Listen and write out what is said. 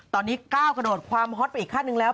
ตอนนี้ก้าวกระโดดความฮอตไปอีกขั้นหนึ่งแล้ว